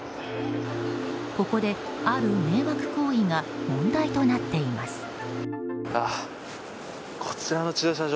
ここである迷惑行為が問題となっています。